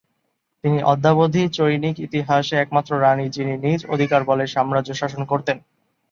তিনি অদ্যাবধি চৈনিক ইতিহাসে একমাত্র রানি, যিনি নিজ অধিকার বলে সাম্রাজ্য শাসন করতেন।